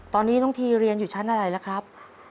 ตอนนี้น้องทีเรียนอยู่ชั้นอะไรแล้วครับ